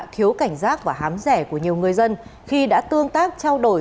thiếu cảnh giác và hám rẻ của nhiều người dân khi đã tương tác trao đổi